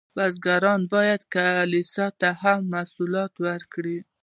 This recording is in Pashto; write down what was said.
بزګران باید کلیسا ته هم محصولات ورکړي.